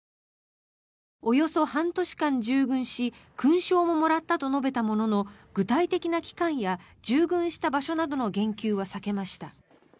およそ半年間従軍し勲章ももらったと述べたものの具体的な期間や従軍した場所などの言及は避けました。